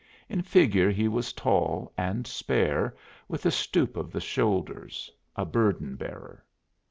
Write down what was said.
In figure he was tall and spare, with a stoop of the shoulders a burden bearer.